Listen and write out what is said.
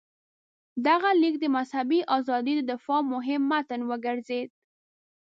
دغه لیک د مذهبي ازادۍ د دفاع مهم متن وګرځېد.